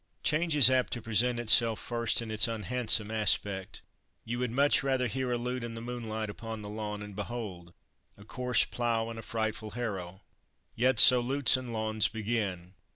Change is apt to present itself first in its unhandsome aspect. You would much rather hear a lute in the moonlight upon the lawn, and behold! a coarse plough and a frightful harrow. Yet, so lutes and lawns begin.